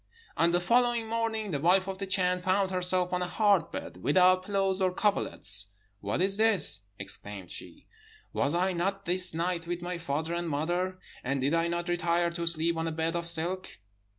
"On the following morning the wife of the Chan found herself on a hard bed, without pillows or coverlets. 'What is this?' exclaimed she; 'was I not this night with my father and mother and did I not retire to sleep on a bed of silk?'